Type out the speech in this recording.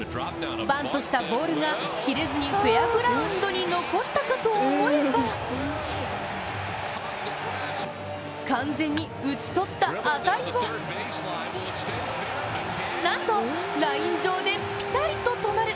バントしたボールが切れずにフェアグラウンドに残ったかと思えば完全に打ち取った当たりはなんと、ライン上でぴたりと止まる。